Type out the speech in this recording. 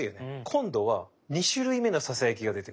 今度は２種類目のささやきが出てくる。